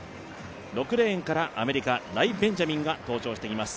６レーンからアメリカ、ライ・ベンジャミンが登場してきます。